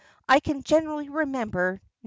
I can generally remember No.